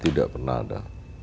tidak pernah ada